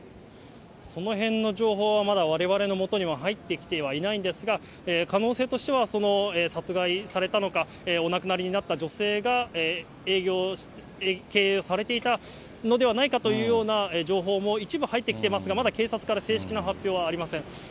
そのへんの情報は、まだわれわれのもとには入ってきてはいないんですが、可能性としては、その殺害されたのか、お亡くなりになった女性が経営されていたのではないかというような情報も一部入ってきてますが、まだ警察から正式な発表はありません。